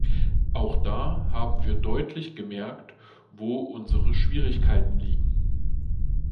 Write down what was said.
Auch da haben wir deutlich gemerkt, wo unsere Schwierigkeiten liegen.